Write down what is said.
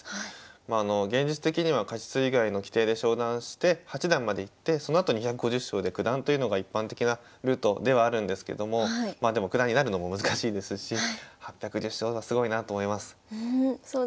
現実的には勝ち数以外の規定で昇段して八段までいってそのあと２５０勝で九段というのが一般的なルートではあるんですけどもまあでも九段になるのも難しいですし８１０勝はすごいなと思います。